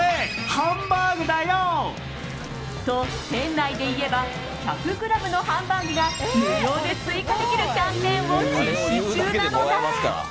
ハンバーグだよ！と、店内で言えば１００ｇのハンバーグが無料で追加できるキャンペーンを実施中なのだ。